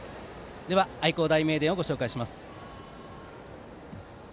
では、愛工大名電をご紹介します。